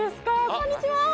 こんにちは。